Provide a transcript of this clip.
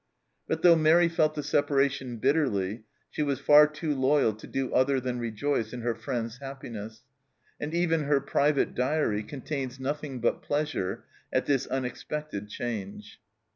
But though Mairi felt the separation bitterly she was far too loyal to do other than rejoice in her friend's happiness, and even her private diary contains nothing but pleasure at this unexpected change.